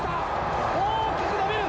大きく伸びる。